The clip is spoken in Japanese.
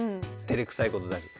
てれくさいことだし。